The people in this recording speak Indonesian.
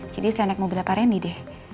jadi saya naik mobilnya pak randy deh